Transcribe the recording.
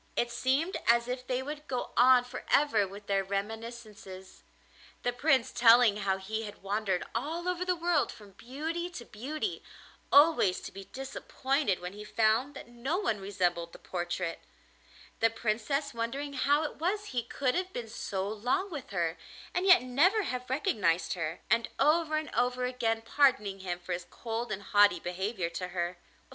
It seemed as if they would go on for ever with their reminiscences, the Prince telling how he had wandered all over the world from beauty to beauty, always to be disappointed when he found that no one resembled the portrait; the Princess wondering how it was he could have been so long with her and yet never have recognised her, and over and over again pardoning him for his cold and haughty behaviour to her.